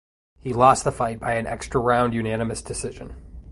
He lost the fight by an extra round unanimous decision.